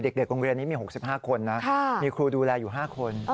โรงเรียนนี้มี๖๕คนนะมีครูดูแลอยู่๕คน